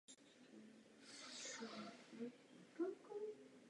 Výbuch je obrovský.